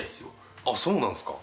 あっ、そうなんですか。